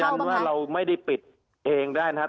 คือยืนยันว่าเราไม่ได้ปิดเองได้นะครับ